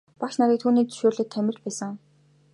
Багш нарыг түүний зөвшөөрлөөр л томилж байсан.